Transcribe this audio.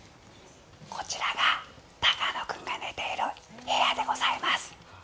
こちらが高野君が寝ている部屋でございます。